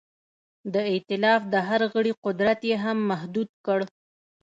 د ایتلاف د هر غړي قدرت یې هم محدود کړ.